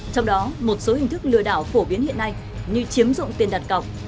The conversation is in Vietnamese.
trong đó một số hình thức lừa đảo phổ biến hiện nay như chiếm dụng tiền đặt cọc